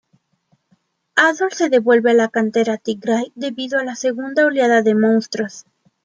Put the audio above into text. Adol se devuelve a la cantera Tigray debido a la segunda oleada de monstruos.